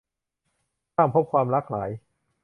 บ้างพบความรักหลาย